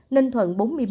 ninh thuận bốn mươi ba